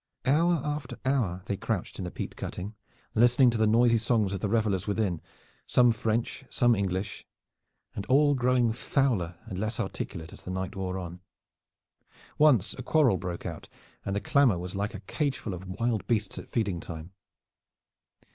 Hour after hour they crouched in the peat cutting, listening to the noisy songs of the revelers within, some French, some English, and all growing fouler and less articulate as the night wore on. Once a quarrel broke out and the clamor was like a cageful of wild beasts at feeding time.